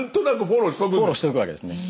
フォローしておくわけですね。